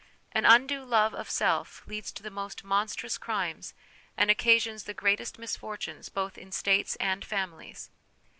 An undue love of Self leads to the most monstrous crimes, and occasions the great est misfortunes both in States and Families.